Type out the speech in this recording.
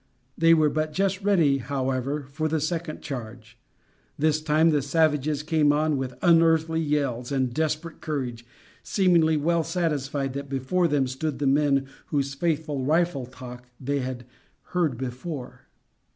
They were but just ready, however, for the second charge. This time the savages came on with unearthly yells and desperate courage, seemingly well satisfied that before them stood the men whose faithful rifle talk they had heard before.